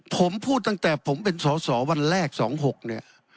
ผมพูดตั้งแต่ผมเป็นสอสอวันแรก๒๖เนี่ย